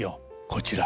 こちら。